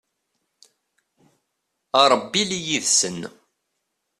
a rebbi ili yid-sen